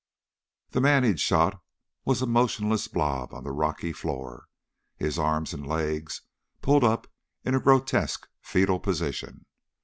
The man he'd shot was a motionless blob on the rocky floor, his arms and legs pulled up in a grotesque fetal position.